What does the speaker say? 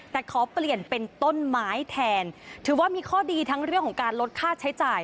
แต่ขอเปลี่ยนเป็นต้นไม้แทนถือว่ามีข้อดีทั้งเรื่องของการลดค่าใช้จ่าย